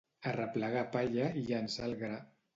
Arreplegar palla i llençar el gra.